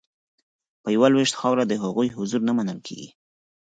په یوه لوېشت خاوره د هغوی حضور نه منل کیږي